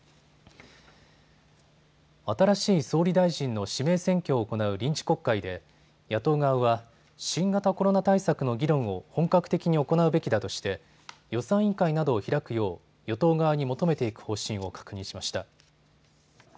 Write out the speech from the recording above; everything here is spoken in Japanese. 新しい総理大臣の指名選挙を行う臨時国会で野党側は新型コロナ対策の議論を本格的に行うべきだとして予算委員会などを開くよう与党側に求めていく方針を確認しました。